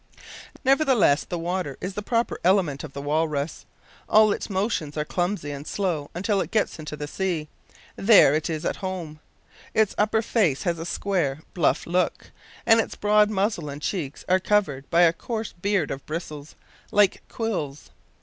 Nevertheless, the water is the proper element of the walrus. All its motions are clumsy and slow until it gets into the sea; there it is "at home." Its upper face has a square, bluff look, and its broad muzzle and cheeks are covered by a coarse beard of bristles, like quills.